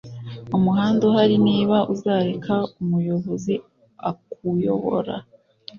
Umuhanda uhari, niba uzareka umuyobozi akuyobora